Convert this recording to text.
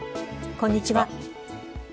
こんにちは。